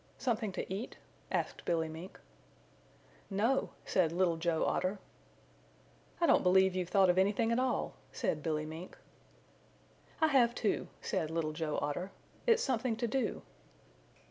"Something to eat?" asked Billy Mink. "No," said Little Joe Otter. "I don't believe you've a thought of anything at all," said Billy Mink. "I have too!" said Little Joe Otter. "It's something to do."